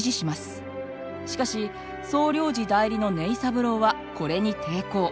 しかし総領事代理の根井三郎はこれに抵抗。